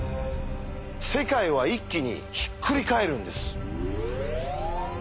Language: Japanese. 世界は一気にひっくり返るんです。